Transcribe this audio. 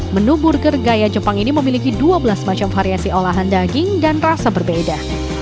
menu burger gaya jepang ini memiliki dua belas macam variasi olahan daging dan rasa berbeda